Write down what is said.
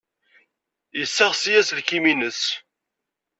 Yesseɣsi aselkim-nnes.